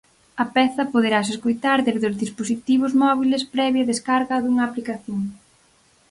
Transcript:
A peza poderase escoitar desde os dispositivos móbiles previa descarga dunha aplicación.